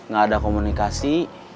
gak ada komunikasi